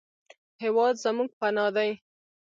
هېواد زموږ پناه دی